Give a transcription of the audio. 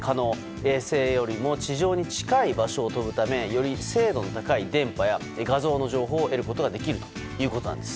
衛星よりも地上に近い場所を飛ぶためより精度の高い電波や画像の情報を得ることができるということなんです。